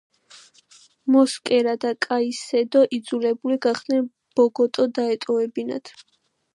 მოსკერა და კაისედო იძულებული გახდნენ ბოგოტა დაეტოვებინათ.